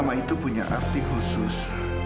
agama itu punya arti khusus